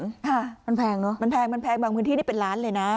ค่ะมันแพงเนอะมันแพงมันแพงบางพื้นที่นี่เป็นล้านเลยนะ